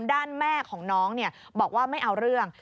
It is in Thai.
ด้านแม่ของน้องบอกว่าไม่เอาเรื่อง